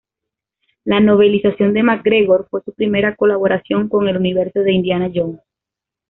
La novelización de MacGregor fue su primera colaboración con el universo de Indiana Jones.